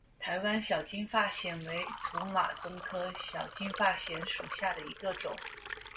台湾小金发藓为土马鬃科小金发藓属下的一个种。